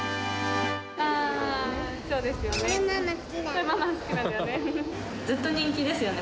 あー、そうですよね。